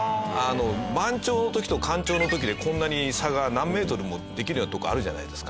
満潮の時と干潮の時でこんなに差が何メートルもできるようなとこあるじゃないですか